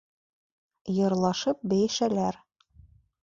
Йырлашып-бейешәләр.